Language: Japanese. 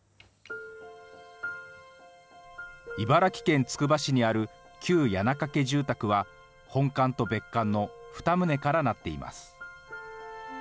茨城県つくば市にある旧矢中家住宅は、本館と別館の２棟からなっています。